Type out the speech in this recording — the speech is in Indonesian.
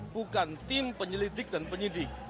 bukan tim penyelidik dan penyidik